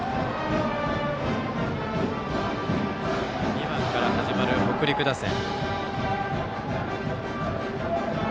２番から始まる北陸打線。